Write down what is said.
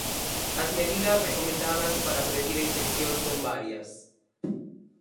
As medidas recomendadas para previr a infección son varias.